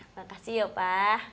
makasih ya papa